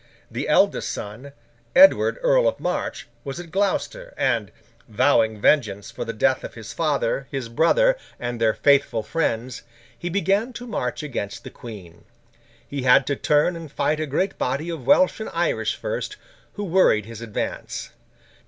The eldest son, Edward Earl of March, was at Gloucester; and, vowing vengeance for the death of his father, his brother, and their faithful friends, he began to march against the Queen. He had to turn and fight a great body of Welsh and Irish first, who worried his advance.